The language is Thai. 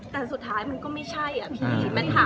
แต่สุดท้ายมันก็ไม่ใช่แมทถามว่ามีอะไรที่จะแบบ